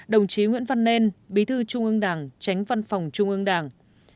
hai mươi đồng chí nguyễn văn nên bí thư trung ương đảng tránh văn phòng trung ương đảng